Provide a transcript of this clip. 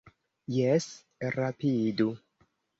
Jes, rapidu